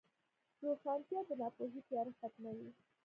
روښانتیا د ناپوهۍ تیاره ختموي.